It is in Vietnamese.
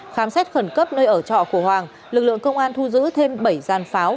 khám xét khẩn cấp nơi ở trọ của hoàng lực lượng công an thu giữ thêm bảy gian pháo